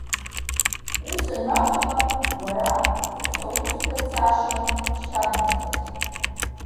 Ус анакәха, уара, ус аусқәа цашам шьҭарнахыс.